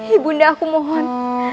ibu nda aku mohon